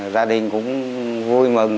gia đình cũng vui mừng